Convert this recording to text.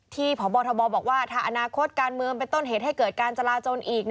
พบทบบอกว่าถ้าอนาคตการเมืองเป็นต้นเหตุให้เกิดการจราจนอีก